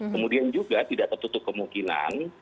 kemudian juga tidak tertutup kemungkinan